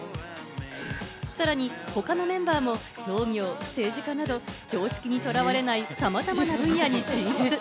さらに他のメンバーも農業、政治家など常識にとらわれないさまざまな分野に進出。